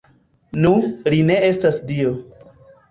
Nu, li ne estas dio